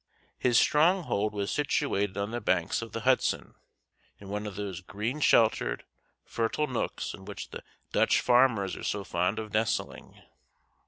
His stronghold was situated on the banks of the Hudson, in one of those green, sheltered, fertile nooks in which the Dutch farmers are so fond of nestling.